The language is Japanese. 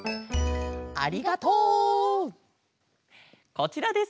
こちらです。